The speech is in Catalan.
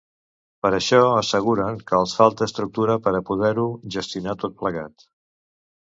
Per això asseguren que els falta estructura per a poder-ho gestionar tot plegat.